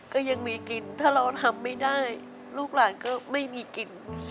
ก็ยังมีกลิ่นถ้าเราทำไม่ได้